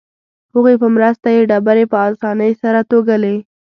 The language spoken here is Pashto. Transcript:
هغوی په مرسته یې ډبرې په اسانۍ سره توږلې.